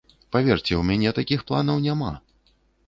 Паверце, у мяне такіх планаў няма.